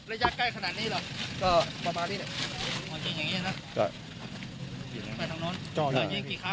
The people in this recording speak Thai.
ระยะใกล้ขนาดนี้หรอ